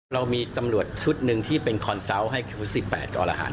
เรามีตำรวจชุดหนึ่งที่เป็นคอนเซาต์ให้ชุด๑๘กรหัน